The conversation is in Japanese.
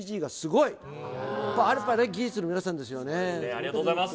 ありがとうございます。